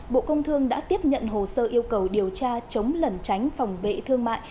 bộ công thương đã tiếp nhận hồ sơ yêu cầu điều tra chống lẩn tránh phòng vệ thương mại